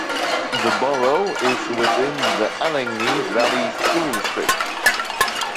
The borough is within the Allegheny Valley School District.